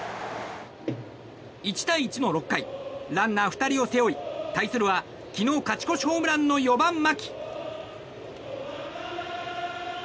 １対１の６回ランナー２人を背負い対するは昨日、勝ち越しホームランの４番、牧。